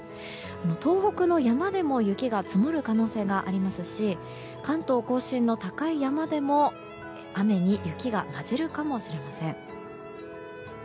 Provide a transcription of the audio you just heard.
東北の山でも雪が積もる可能性がありますし関東・甲信の高い山でも雨に雪が交じるかもしれません。